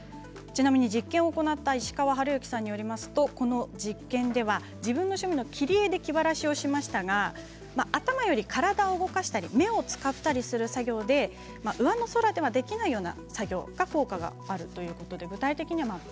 ちなみに実験を行った石川遥至さんによりますと実験では自分の趣味の切り絵で気晴らしをしましたが頭より体を動かしたり目を使ったりする作業でうわのそらではできない作業が効果があるということなんです。